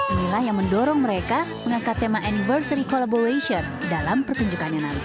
inilah yang mendorong mereka mengangkat tema anniversary collaboration dalam pertunjukannya nanti